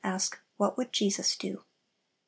Ask, 'What would Jesus do?'" 13.